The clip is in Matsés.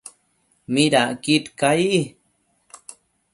¿midacquid cai ?